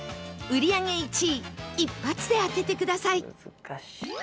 売り上げ１位１発で当ててください